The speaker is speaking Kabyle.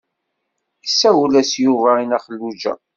Isawel-as Yuba i Nna Xelluǧa.